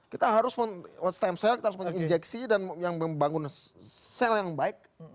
kita harus memiliki stem cell kita harus memiliki injeksi dan membangun sel yang baik